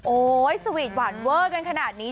สวีทหวานเวอร์กันขนาดนี้